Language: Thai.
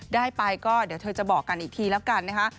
ได้ไปก็เดี๋ยวเธอจะบอกกันอีกทีแล้วกันนะคะ